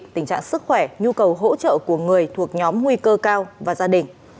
tình trạng sức khỏe nhu cầu hỗ trợ của người thuộc nhóm nguy cơ cao và gia đình